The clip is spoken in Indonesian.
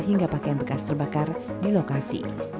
hingga pakaian bekas terbakar di lokasi